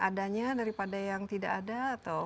adanya daripada yang tidak ada atau